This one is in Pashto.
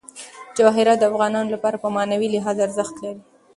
جواهرات د افغانانو لپاره په معنوي لحاظ ارزښت لري.